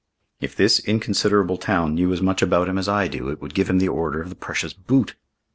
"If this inconsiderable town knew as much about him as I do, it would give him the order of the precious boot."